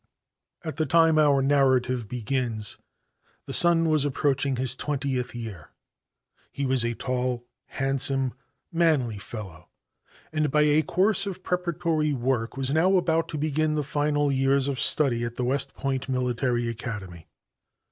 At the time our narrative begins the son was approaching his twentieth year. He was a tall, handsome manly fellow, and by a course of preparatory work was now about to begin the final years of study at the West Point Military Academy.